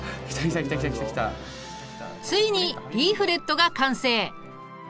ついにリーフレットが完成！